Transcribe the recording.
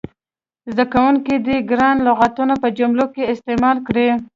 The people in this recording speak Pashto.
زده کوونکي دې ګران لغتونه په جملو کې استعمال کړي.